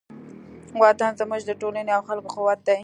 وطن زموږ د ټولنې او خلکو قوت دی.